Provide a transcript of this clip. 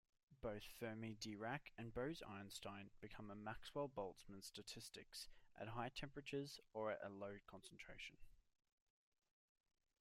Both Fermi-Dirac and Bose-Einstein become Maxwell-Boltzmann statistics at high temperature or at low concentration.